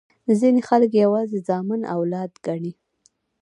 ځیني خلګ یوازي زامن اولاد ګڼي.